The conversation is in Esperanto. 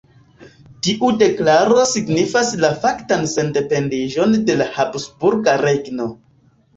Tiu deklaro signifis la faktan sendependiĝon de la habsburga regno.